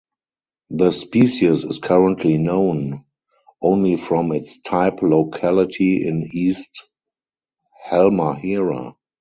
The species is currently known only from its type locality in East Halmahera.